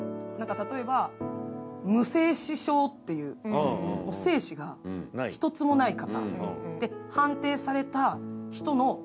例えば無精子症っていう、精子が一つもない方。